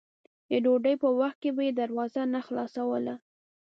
د ډوډۍ په وخت کې به یې دروازه نه خلاصوله.